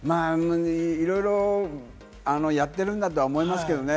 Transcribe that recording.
いろいろやってるんだとは思いますけれどもね。